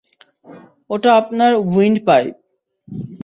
ওটা আপনার উইন্ডপাইপ।